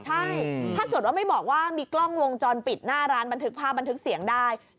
ใช่ถ้าเกิดว่าไม่บอกว่ามีกล้องวงจรปิดหน้าร้านบันทึกภาพบันทึกเสียงได้